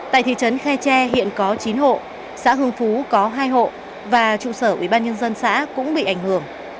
tại thị trấn khe tre hiện có chín hộ xã hương phú có hai hộ và trụ sở ubnd xã cũng bị ảnh hưởng